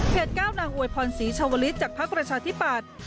เขตเก้านางอวยพรศรีชวลิศจากพรรคประชาธิบัติ